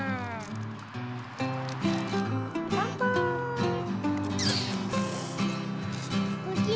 かんぱい！